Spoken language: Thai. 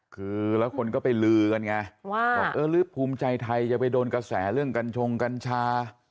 คือแล้วคนก็ไปลือกันไงว่าบอกเออหรือภูมิใจไทยจะไปโดนกระแสเรื่องกัญชงกัญชา